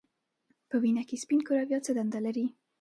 په وینه کې سپین کرویات څه دنده لري